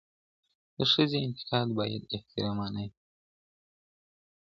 د ښځې انتقاد باید احترامانه وي.